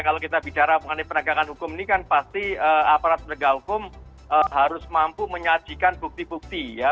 kalau kita bicara mengenai penegakan hukum ini kan pasti aparat penegak hukum harus mampu menyajikan bukti bukti ya